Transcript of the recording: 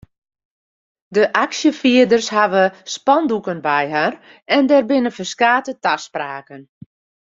De aksjefierders hawwe spandoeken by har en der binne ferskate taspraken.